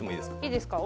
いいですか？